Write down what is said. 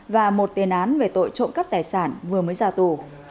và một tiền án về tội trộm cắp tài sản vừa mới ra tù